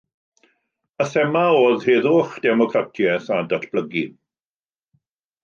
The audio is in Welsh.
Y thema oedd heddwch, democratiaeth, a datblygu.